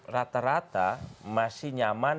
rata rata masih nyaman